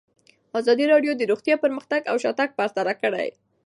ازادي راډیو د روغتیا پرمختګ او شاتګ پرتله کړی.